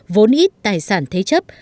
vốn ít tài sản thế chấp